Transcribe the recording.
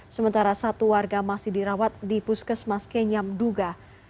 sementara satu warga masih dirawat di puskesmas kenyam duga